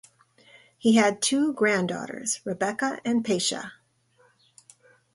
He had two grand daughters, Rebecca and Pesha.